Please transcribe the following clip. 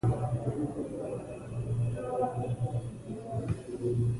نو له هغه بدلون څخه به پوره خوند واخلئ.